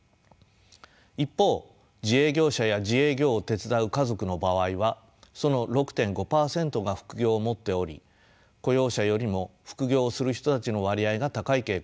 一方自営業者や自営業を手伝う家族の場合はその６．５％が副業を持っており雇用者よりも副業をする人たちの割合が高い傾向にあります。